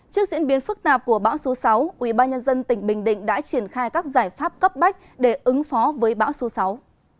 trước diễn biến phức tạp của bão số sáu ubnd tỉnh bình định đã triển khai các giải pháp cấp bách để ứng phó với bão số sáu